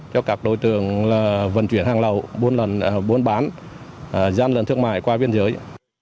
cho các đối tượng là vận chuyển hàng lầu buôn bán gian lận thương mại qua biên giới